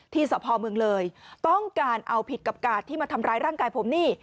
สะพอเมืองเลยต้องการเอาผิดกับกาดที่มาทำร้ายร่างกายผมนี่